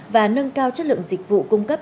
và nâng cao chất lượng dịch vụ cung cấp